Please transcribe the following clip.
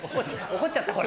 怒っちゃったほら。